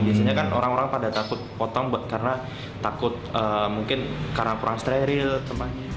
biasanya kan orang orang pada takut potong karena takut mungkin karena kurang steril tempatnya